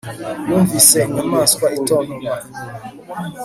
Yumvise inyamaswa itontoma inyuma